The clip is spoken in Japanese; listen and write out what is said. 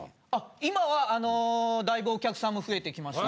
今はあのだいぶお客さんも増えてきました。